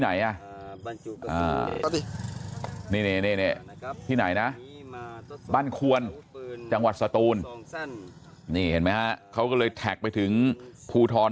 ไหนที่ไหนนะบ้านควรจังหวัดสตูนเขาก็เลยแท็กไปถึงภูทร